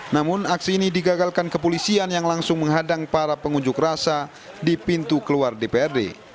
namun aksi ini digagalkan kepolisian yang langsung menghadang para pengunjuk rasa di pintu keluar dprd